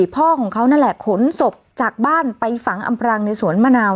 พ่อของเขานั่นแหละขนศพจากบ้านไปฝังอำพรางในสวนมะนาว